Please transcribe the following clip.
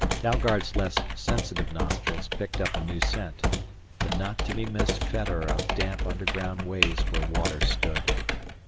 Dalgard's less sensitive nostrils picked up a new scent, the not to be missed fetor of damp underground ways where water stood.